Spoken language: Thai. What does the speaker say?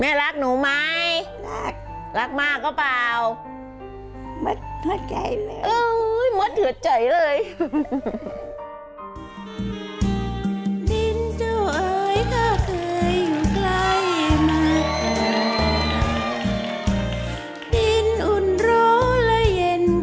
แม่รักหนูไหมรักมากก็เปล่าหมดหัวใจเลยหมดหัวใจเลย